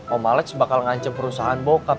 om alex bakal ngancep perusahaan bokap